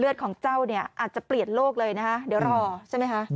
ของเจ้าเนี่ยอาจจะเปลี่ยนโลกเลยนะคะเดี๋ยวรอใช่ไหมคะ